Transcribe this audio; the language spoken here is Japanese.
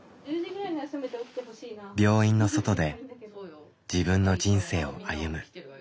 病院の外で自分の人生を歩む。